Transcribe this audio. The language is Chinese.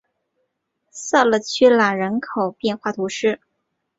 萨勒屈朗人口变化图示